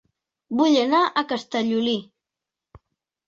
Vull anar a Castellolí